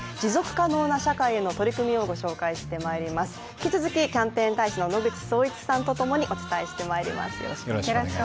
引き続きキャンペーン大使の野口聡一さんとともにお伝えしていきます。